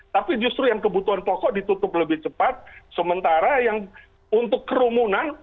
tapi justru yang kebutuhan pokok ditutup lebih cepat sementara yang untuk kerumunan